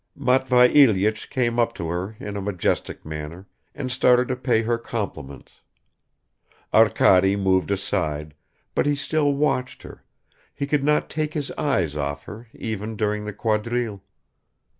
Matvei Ilyich came up to her in a majestic manner and started to pay her compliments. Arkady moved aside, but he still watched her; he could not take his eyes off her even during the quadrille.